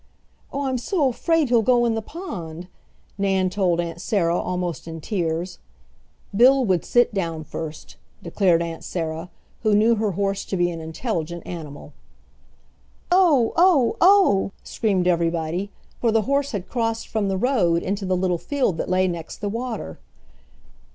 "Oh, I'm so afraid he'll go in the pond!" Nan told Aunt Sarah almost in tears. "Bill would sit down first," declared Aunt Sarah, who knew her horse to be an intelligent animal. "Oh! oh! oh!" screamed everybody, for the horse had crossed from the road into the little field that lay next the water.